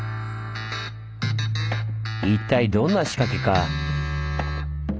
一体どんな仕掛けか。